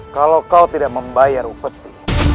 kalau kau tidak membayar upeti